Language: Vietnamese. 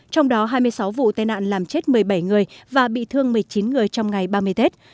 trong đó hai mươi sáu vụ tai nạn làm chết một mươi bảy người và bị thương một mươi chín người trong ngày ba mươi tết